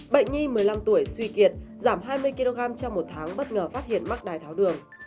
bệnh nhi một mươi năm tuổi suy kiệt giảm hai mươi kg trong một tháng bất ngờ phát hiện mắc đai tháo đường